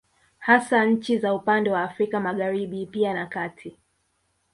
Hasa nchi za upande wa Afrika Magharibi pia na kati